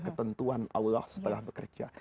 ketentuan allah setelah bekerja